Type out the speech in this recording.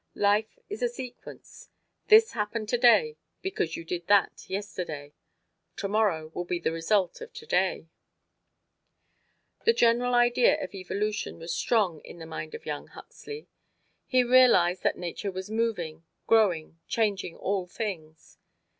Life is a sequence: this happened today because you did that yesterday. Tomorrow will be the result of today. The general idea of evolution was strong in the mind of young Huxley. He realized that Nature was moving, growing, changing all things.